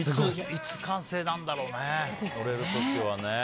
いつ完成なんだろうね乗れる時は。